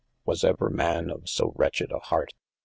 Was ever man of so wretched a heart